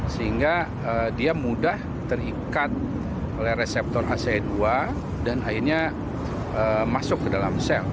sehingga dia mudah terikat oleh reseptor ace dua dan akhirnya masuk ke dalam sel